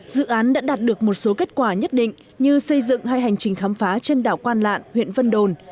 dự án đã đạt được một số kết quả nhất định như xây dựng hai hành trình khám phá trên đảo quan lạng huyện vân đồn